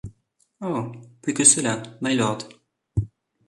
Oh ! plus que cela, mylord.